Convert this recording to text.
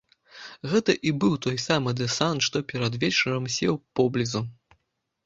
Гэта і быў той самы дэсант, што перад вечарам сеў поблізу.